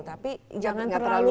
tapi jangan terlalu